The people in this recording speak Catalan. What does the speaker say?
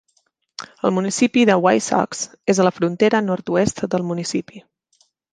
El municipi de Wysox és a la frontera nord-oest del municipi.